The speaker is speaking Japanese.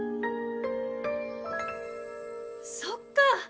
そっか！